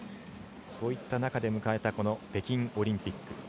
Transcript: そういった中で迎えた北京オリンピック。